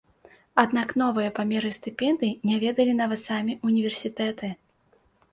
Аднак новыя памеры стыпендый не ведалі нават самі ўніверсітэты.